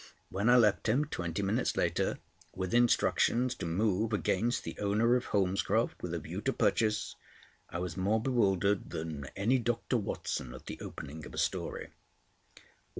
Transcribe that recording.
When I left him, twenty minutes later, with instructions to move against the owner of Holmescroft, with a view to purchase, I was more bewildered than any Doctor Watson at the opening of a story.